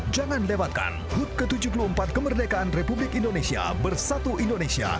jangan lewatkan hud ke tujuh puluh empat kemerdekaan republik indonesia bersatu indonesia